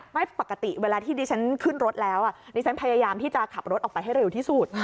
ไม่ปกติเวลาที่ดิฉันขึ้นรถแล้วดิฉันพยายามที่จะขับรถออกไปให้เร็วที่สุด